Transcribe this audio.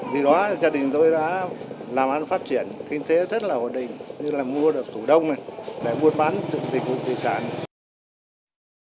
vì đó gia đình tôi đã làm ăn phát triển kinh tế rất là hồn định như là mua được tủ đông để mua bán tỉnh quân thị sản